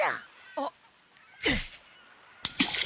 あっ。